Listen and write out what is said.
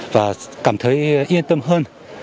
và cảm thấy yên tâm hơn